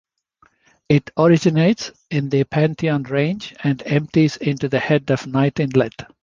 It originates in the Pantheon Range and empties into the head of Knight Inlet.